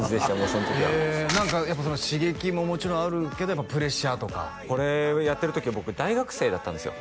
その時は何か刺激ももちろんあるけどプレッシャーとかこれをやってる時は僕大学生だったんですよ